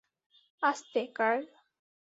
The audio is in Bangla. আস্তে, কার্ল।